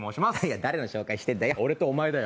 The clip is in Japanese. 誰の紹介してるんだよ。